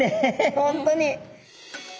本当に！